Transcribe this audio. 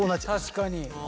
確かに。